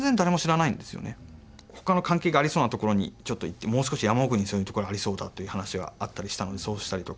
他の関係がありそうな所にちょっと行ってもう少し山奥にそういう所ありそうだという話があったりしたのでそうしたりとか。